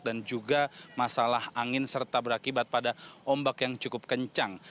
dan juga masalah angin serta berakibat pada ombak yang cukup kencang